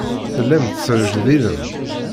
Tellam tesrejdilem.